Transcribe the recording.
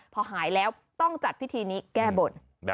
พอหายแล้วต้องจัดพิธีนี้แก้บน